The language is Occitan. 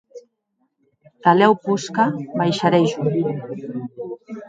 Tanlèu posca baisharè jo.